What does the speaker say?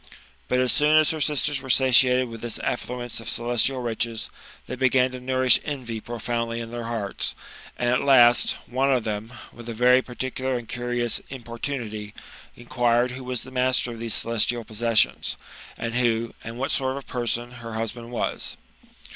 Bilt as soon as her sisters were satiated with this affluence of celes tial riches, they began to nourish envy profoundly in their hearts ; and, at last, one of them, with a very particular and curious importunity, inquired who was the master of these celestial possessions ? And who, and what sort of a person, her husband was